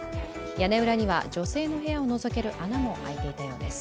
屋根裏には女性の部屋をのぞける穴も開いていたようです。